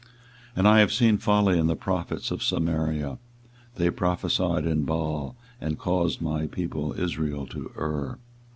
24:023:013 And I have seen folly in the prophets of Samaria; they prophesied in Baal, and caused my people Israel to err.